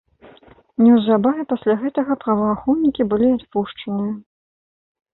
Неўзабаве пасля гэтага праваахоўнікі былі адпушчаныя.